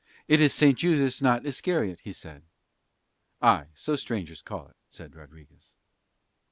"It is Saint Judas not Iscariot," he said. "Aye, so strangers call it," said Rodriguez.